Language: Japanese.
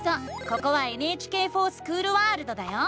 ここは「ＮＨＫｆｏｒＳｃｈｏｏｌワールド」だよ！